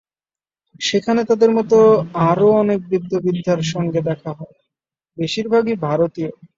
সেখানে তাদের মতো আরও অনেক বৃদ্ধ-বৃদ্ধার সঙ্গে দেখা হয়, বেশির ভাগই ভারতীয়।